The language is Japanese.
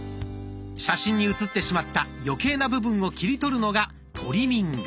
写真に写ってしまった余計な部分を切り取るのがトリミング。